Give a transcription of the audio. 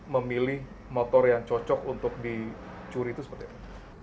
memilih motor yang cocok untuk dicuri